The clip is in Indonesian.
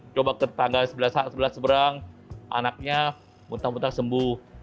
coba tetangga sebelah seberang anaknya muntah muntah sembuh